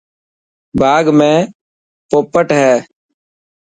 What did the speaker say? باغ ۾ پوپٽ هي.